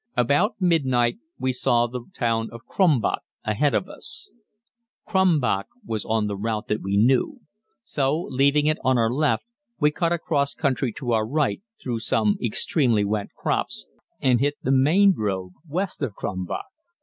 About midnight we saw the town of Krumbach ahead of us. Krumbach was on the route that we knew, so, leaving it on our left, we cut across country to our right, through some extremely wet crops, and hit the main road west of Krumbach.